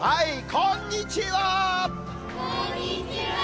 こんにちは。